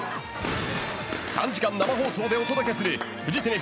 ３時間生放送でお届けするフジテレビ